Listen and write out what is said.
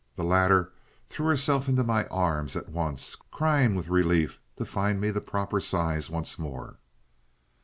The latter threw herself into my arms at once, crying with relief to find me the proper size once more.